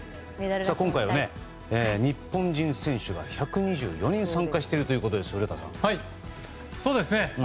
今回は日本人選手が１２４人参加しているということです。